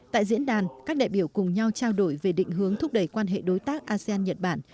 tại diễn đàn các đại biểu cùng nhau trao đổi về định hướng thúc đẩy quan hệ đối tác asean nhật bản